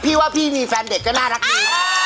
พี่ว่าพี่มีแฟนเด็กก็น่ารักดี